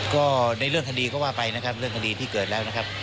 ก็ในเรื่องคดีก็ว่าไปนะครับเรื่องคดีที่เกิดแล้วนะครับ